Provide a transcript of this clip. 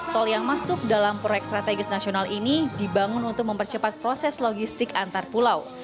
tol yang masuk dalam proyek strategis nasional ini dibangun untuk mempercepat proses logistik antar pulau